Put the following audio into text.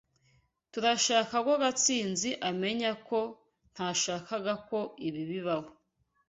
Turashaka ko Gatsinzi amenya ko ntashakaga ko ibi bibaho.